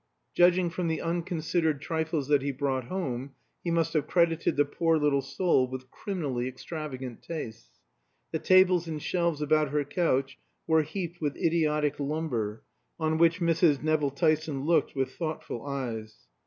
Judging from the unconsidered trifles that he brought home, he must have credited the poor little soul with criminally extravagant tastes. The tables and shelves about her couch were heaped with idiotic lumber, on which Mrs. Nevill Tyson looked with thoughtful eyes.